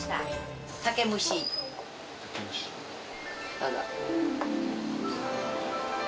どうぞ。